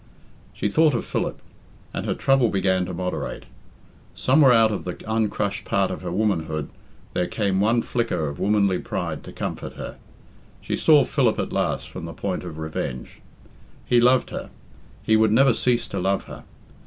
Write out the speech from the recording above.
She thought of Philip, and her trouble began to moderate. Somewhere out of the uncrushed part of her womanhood there came one flicker of womanly pride to comfort her. She saw Philip at last from the point of revenge. He loved her; he would never cease to love her.